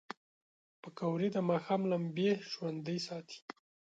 پکورې د ماښام لمبې ژوندۍ ساتي